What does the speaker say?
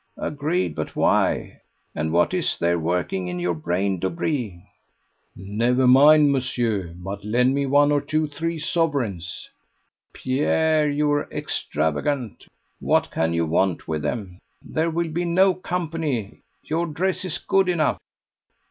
"Agreed, but why? and what is there working in your brain, Dobree?" "Never mind, monsieur, but lend me one, two, three sovereigns." "Pierre, you are extravagant. What can you want with them? There will be no company; your dress is good enough."